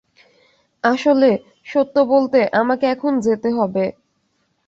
আসলে, সত্য বলতে, আমাকে এখন যেতে হবে।